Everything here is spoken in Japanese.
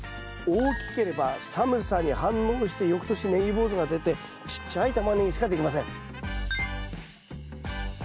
大きければ寒さに反応してよくとしネギ坊主が出てちっちゃいタマネギしかできません。